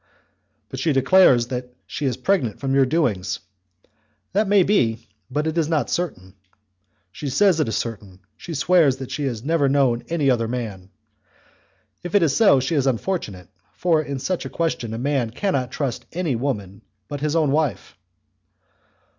"But she declares that she is pregnant from your doings." "That may be, but it is not certain." "She says it is certain, and she swears that she has never known any other man." "If it is so, she is unfortunate; for in such a question a man cannot trust any woman but his own wife."